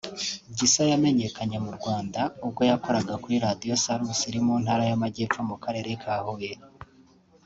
Gisa yamenyekaniye mu Rwanda ubwo yakoraga kuri Radio Salus iri mu ntara y’amajyepfo mu karere ka Huye